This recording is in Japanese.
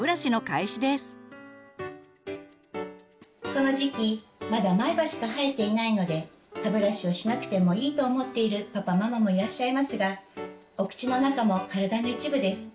この時期まだ前歯しか生えていないので歯ブラシをしなくてもいいと思っているパパママもいらっしゃいますがお口の中も体の一部です。